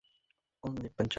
আচ্ছা, আসি তাহলে।